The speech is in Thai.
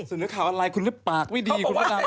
เสนอข่าวอะไรคุณได้ปากว่าดี